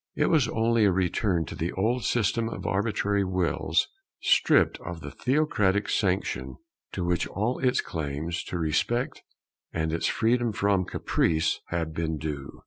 It was only a return to the old system of arbitrary wills, stripped of the theocratic sanction to which all its claims to respect and its freedom from caprice had been due.